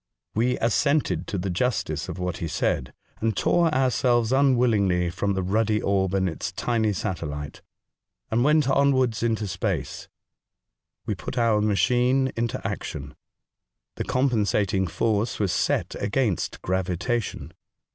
We assented to the justice of what he said, and tore ourselves unwillingly from the ruddy orb and its tiny satellite, and went onwards into space. We put our machine into action. The compensating force was set against gravitation.